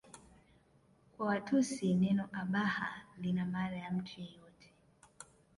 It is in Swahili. Kwa Watusi neno Abaha lina maana ya mtu yeyote